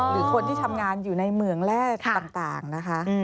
หรือคนที่ทำงานอยู่ในเมืองแรกต่างนะคะ